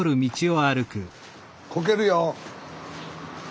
こけるよ！